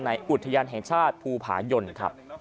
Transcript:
อุทยานแห่งชาติภูผายนครับ